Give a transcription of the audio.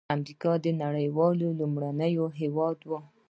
امریکا د نړۍ لومړنی هېواد و.